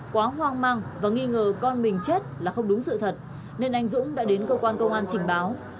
quá hoang mang và nghi ngờ con mình chết là không đúng sự thật nên anh dũng đã đến cơ quan công an trình báo